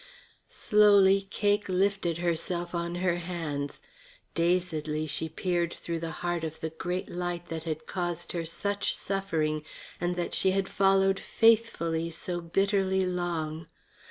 Slowly Cake lifted herself on her hands, dazedly she peered through the heart of the great light that had caused her such suffering and that she had followed faithfully so bitterly long.